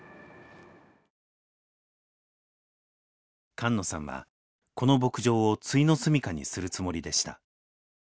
菅野さんはこの牧場を「ついの住みか」にするつもりでした。